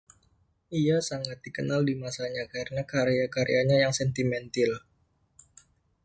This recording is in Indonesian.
Ia sangat dikenal di masanya karena karya-karyanya yang "sentimentil".